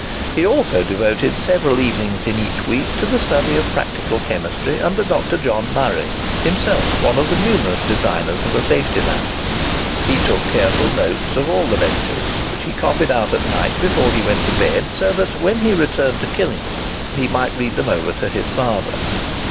He also devoted several evenings in each week to the study of practical Chemistry under Dr. John Murray, himself one of the numerous designers of a safety lamp. He took careful notes of all the lectures, which he copied out at night before he went to bed; so that, when he returned to Killingworth, he might read them over to his father.